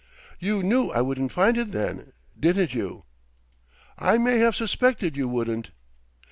"You knew I wouldn't find it, then!... Didn't you?" "I may have suspected you wouldn't."